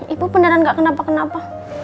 ibu beneran gak kenapa kenapa